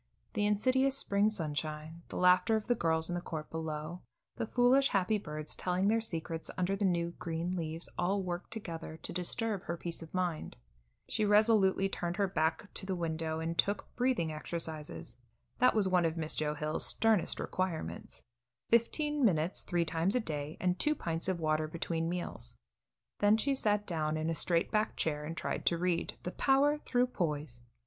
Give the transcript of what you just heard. The insidious spring sunshine, the laughter of the girls in the court below, the foolish happy birds telling their secrets under the new, green leaves, all worked together to disturb her peace of mind. She resolutely turned her back to the window and took breathing exercises. That was one of Miss Joe Hill's sternest requirements fifteen minutes three times a day and two pints of water between meals. Then she sat down in a straight back chair and tried to read "The Power Through Poise."